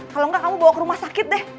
kalo gak kamu bawa ke rumah sakit deh